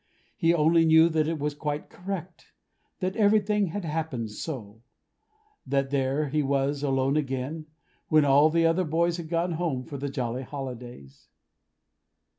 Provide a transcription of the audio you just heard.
He only knew that it was quite correct: that everything had happened so: that there he was, alone again, when all the other boys had gone home for the jolly holidays.